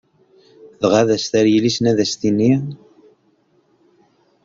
Dɣa ad as-terr yelli-s-nni, ad as-tini.